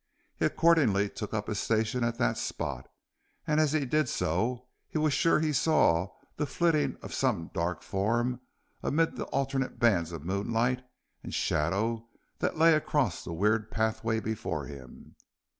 He accordingly took up his station at that spot and as he did so he was sure that he saw the flitting of some dark form amid the alternate bands of moonlight and shadow that lay across the weird pathway before him.